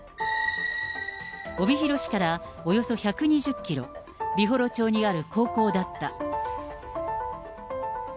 帯広市からおよそ１２０キロ、美幌町にある高校だった。